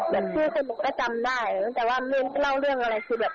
แบบชื่อสนุกไม่จำได้แต่ว่าเล่าเรื่องอะไรคือแบบ